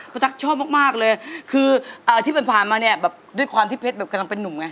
ตั๊กชอบมากเลยคือที่ผ่านมาเนี่ยแบบด้วยความที่เพชรแบบกำลังเป็นนุ่มไง